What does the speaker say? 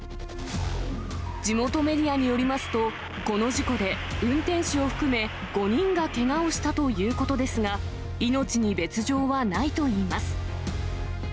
地元メディアによりますと、この事故で、運転手を含め５人がけがをしたということですが、命に別状はないといいます。